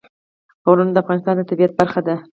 غرونه د افغانستان د طبیعت برخه ده.